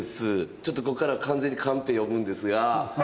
ちょっとここからは完全にカンペ読むんですが。